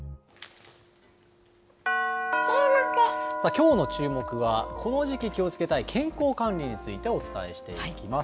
きょうのチューモク！は、この時期気をつけたい健康管理についてお伝えしていきます。